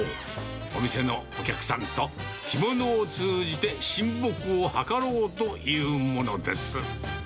お店のお客さんと、着物を通じて親睦を図ろうというものです。